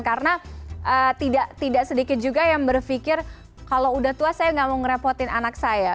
karena tidak sedikit juga yang berpikir kalau udah tua saya nggak mau ngerepotin anak saya